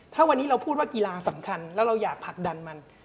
ถ้าวันนี้เราพูดว่ากีฬาสำคัญแล้วเราอยากผลักดันมัน